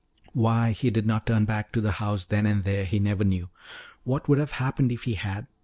Why he did not turn back to the house then and there he never knew. What would have happened if he had?